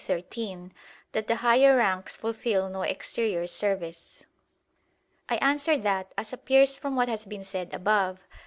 xiii), that "the higher ranks fulfil no exterior service." I answer that, As appears from what has been said above (Q.